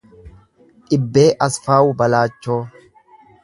Dhibbee Asfaawu Balaachoo